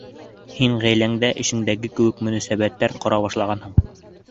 Һин ғаиләңдә эшеңдәге кеүек мөнәсәбәттәр ҡора башлағанһың.